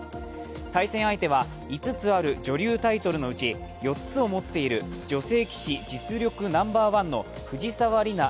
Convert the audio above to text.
対戦相手は、５つある女流タイトルのうち４つを持っている女性棋士実力ナンバーワンの藤沢里菜